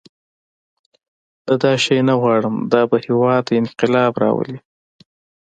نه دا شی نه غواړم دا به هېواد ته انقلاب راولي.